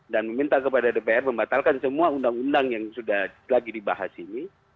dan meminta kepada dpr membatalkan semua undang undang yang sudah lagi dibahas ini